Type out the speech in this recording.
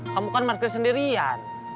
kamu kan market sendirian